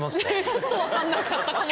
ちょっと分かんなかったかも。